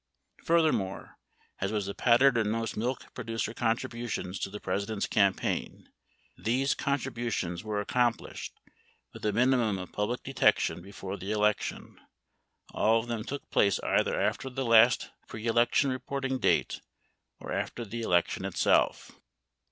Furthermore, as was the pattern in most milk producer contribu tions to the President's campaign, these contributions were accom plished with a minimum of public detection before the election ; all of them took place either after the last preelection reporting date or after the election, itself.